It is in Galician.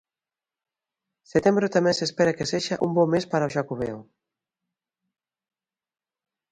Setembro tamén se espera que sexa un bo mes para o Xacobeo.